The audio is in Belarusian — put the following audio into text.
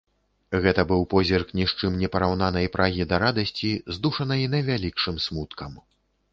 Гэта быў позірк ні з чым не параўнанай прагі да радасці, здушанай найвялікшым смуткам.